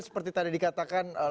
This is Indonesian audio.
seperti tadi dikatakan